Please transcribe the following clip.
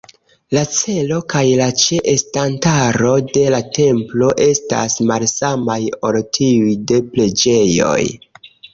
La celo kaj la ĉe-estantaro de la templo estas malsamaj ol tiuj de preĝejoj.